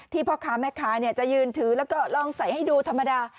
พ่อค้าแม่ค้าจะยืนถือแล้วก็ลองใส่ให้ดูธรรมดา